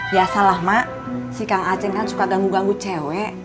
biasalah mak si kang aceh kan suka ganggu ganggu cewek